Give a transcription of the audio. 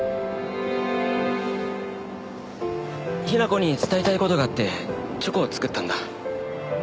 雛子に伝えたい事があってチョコを作ったんだ。